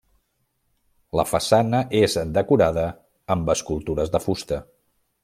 La façana és decorada amb escultures de fusta.